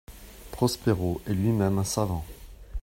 Prospero est lui-même un savant.